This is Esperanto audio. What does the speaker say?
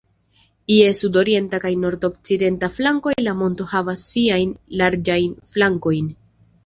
Je sudorienta kaj nordokcidenta flankoj la monto havas siajn larĝajn flankojn.